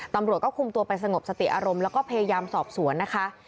ตำรวจก็คุมตัวไปสงบสติอารมณ์แล้วก็พยายามสอบสวนนะคะ